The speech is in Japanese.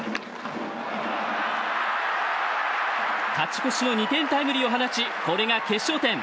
勝ち越しの２点タイムリーを放ちこれが決勝点。